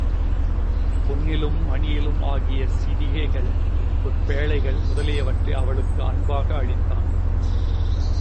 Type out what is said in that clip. பொன்னிலும் மணியிலும் ஆகிய சிவிகைகள், பொற் பேழைகள் முதலியவற்றை அவளுக்கு அன்பளிப்பாக அளித்தான்.